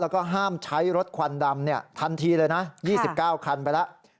แล้วก็ห้ามใช้รถควันดำทันทีเลยนะ๒๙คันไปแล้ว